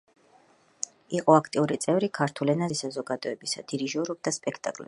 იყო აქტიური წევრი „ქართულ ენაზე ოპერების გამმართველი საზოგადოებისა“, დირიჟორობდა სპექტაკლებს.